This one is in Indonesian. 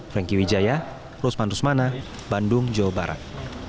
franky wijaya rusman rusmana bandung jawa barat